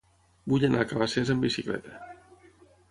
Vull anar a Cabacés amb bicicleta.